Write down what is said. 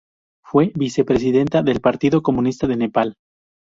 Fue vicepresidenta del Partido Comunista de Nepal.